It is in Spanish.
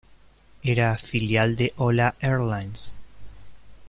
Era filial de Hola Airlines.